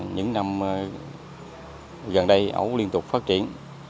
những năm gần đây ấu liên tục phát triển